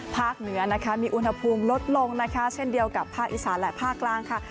เหนือนะคะมีอุณหภูมิลดลงนะคะเช่นเดียวกับภาคอีสานและภาคกลางค่ะ